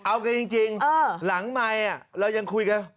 เอาคือจริงหลังใหม่เรายังคุยกัน